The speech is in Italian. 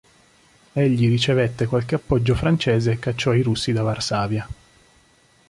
Egli ricevette qualche appoggio francese e cacciò i russi da Varsavia.